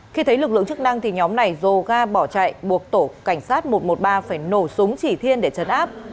khi thấy lực lượng chức năng thì nhóm này dồ ga bỏ chạy buộc tổ cảnh sát một trăm một mươi ba phải nổ súng chỉ thiên để chấn áp